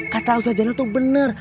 kata ustadz zainal tuh bener